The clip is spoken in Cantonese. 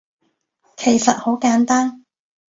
其實好簡單